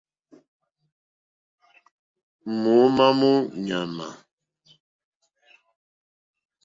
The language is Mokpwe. Mǒómá mó ɲàmà.